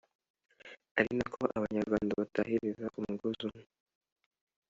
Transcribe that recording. ari na ko abanyarwanda batahiriza umugozi umwe